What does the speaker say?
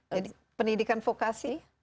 jadi pendidikan vokasi